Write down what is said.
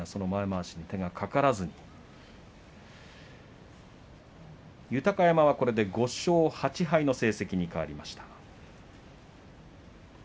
前まわしに手が掛からずに豊山はこれで５勝８敗の成績に変わりました。